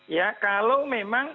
ya kalau memang